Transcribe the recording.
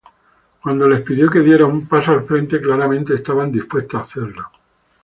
Cuando les pidió que dieran un paso al frente, claramente estaban dispuestos a hacerlo".